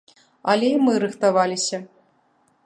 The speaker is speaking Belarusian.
Але і мы рыхтаваліся.